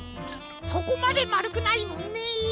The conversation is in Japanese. そこまでまるくないもんね。